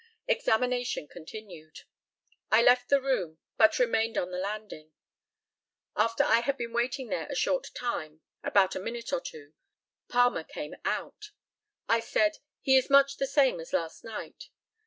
Examination continued: I left the room, but remained on the landing. After I had been waiting there a short time (about a minute or two) Palmer came out. I said, "He is much the same as last night."